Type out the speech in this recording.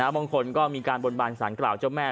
บางคนก็มีการบนบานสารกล่าวเจ้าแม่